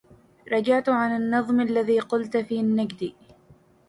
رجعت عن النظم الذي قلت في النجدي